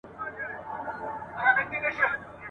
له ښځي څخه خپل «ار» ځای هېر سو